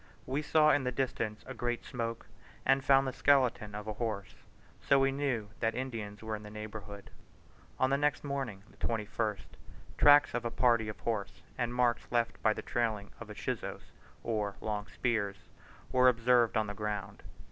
We saw in the distance a great smoke, and found the skeleton of a horse, so we knew that Indians were in the neighbourhood. On the next morning (21st) tracks of a party of horse and marks left by the trailing of the chuzos, or long spears, were observed on the ground.